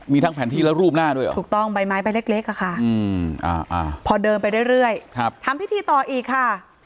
มีทั้งแผนที่และรูปหน้าด้วยเหรอถูกต้องใบไม้ใบเล็กอะค่ะพอเดินไปเรื่อยทำพิธีต่ออีกค่ะ